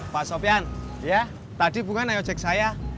pak sofyan tadi bukan ngojek saya